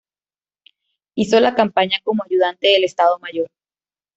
Hizo la campaña como ayudante del estado mayor.